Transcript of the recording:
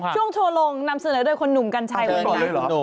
ช่วงชัวร์ลงนำเสนอโดยคุณหนุ่มกัญชัยวันนี้